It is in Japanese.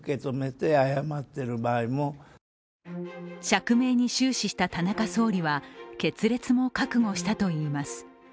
釈明に終始した田中総理は決裂も覚悟したといいます。